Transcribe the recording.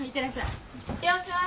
いってらっしゃい。